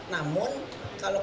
namun kalau kepentingan